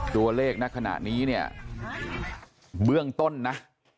ตัวเลขณขณะนี้เนี่ยเบื้องต้นนะ